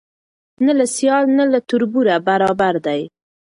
نه له سیال نه له تربوره برابر دی